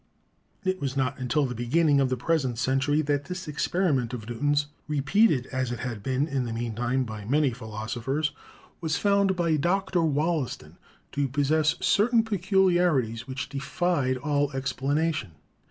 102 PHYSICS It was not until the beginning of the present century that this experiment of Newton's (repeated as it had been in the meantime by many philosophers) was found by Dr. Wollaston to possess certain peculiarities which defied all explanation.